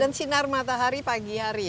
jadi sinar matahari pagi hari ya